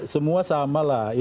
semua sama lah